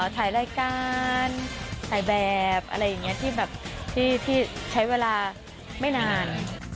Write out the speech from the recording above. ถ่ายรายการถ่ายแบบอะไรอย่างนี้ที่แบบที่ใช้เวลาไม่นาน